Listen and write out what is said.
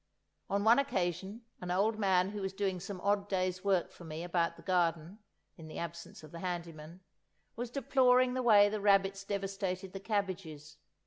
On one occasion an old man who was doing some odd days' work for me about the garden, in the absence of the handyman, was deploring the way the rabbits devastated the cabbages.